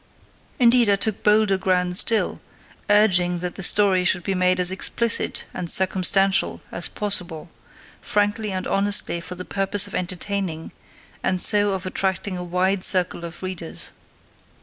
Indeed, I took bolder ground still, urging that the story should be made as explicit and circumstantial as possible, frankly and honestly for the purpose of entertaining and so of attracting a wide circle of readers.